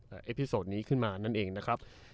อ่าอิปิสโดนี้ขึ้นมานั่นเองนะครับ